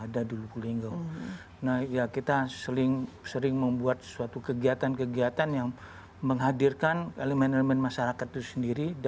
ada dulu wulinggo nah ya kita sering membuat suatu kegiatan kegiatan yang menghadirkan elemen elemen